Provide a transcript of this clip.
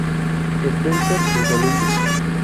Spencer en Columbus.